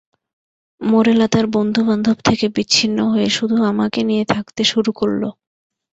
মোরেলা তার বন্ধুবান্ধব থেকে বিচ্ছিন্ন হয়ে শুধু আমাকে নিয়ে থাকতে শুরু করল।